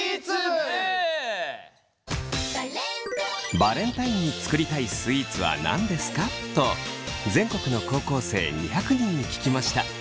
「バレンタインに作りたいスイーツは何ですか？」と全国の高校生２００人に聞きました。